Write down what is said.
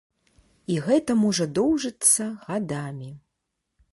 І гэта можа доўжыцца гадамі.